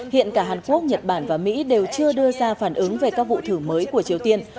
hiện cả hàn quốc nhật bản và mỹ đều chưa đưa ra phản ứng về các vụ thử mới của triều tiên